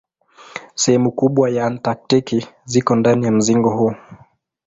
Sehemu kubwa ya Antaktiki ziko ndani ya mzingo huu.